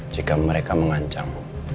jika mereka mengancam